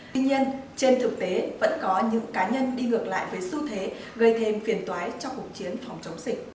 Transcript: tuy nhiên trên thực tế vẫn có những cá nhân đi ngược lại với xu thế gây thêm phiền toái cho cuộc chiến phòng chống dịch